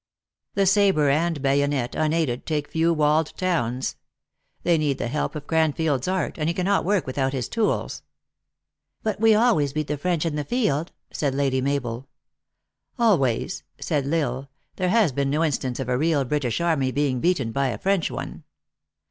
The sabre, and bayonet, unaided, take few walled towns. They need the help of Cran field s art, and he cannot work without his tools." " But we always beat the French in the field," said Lady Mabel. " Always," said L Isle. " There has been no in stance of a real British army being beaten by a French one."